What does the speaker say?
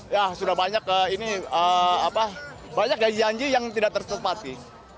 ya sudah banyak ini banyak yang janji yang tidak tertutup hati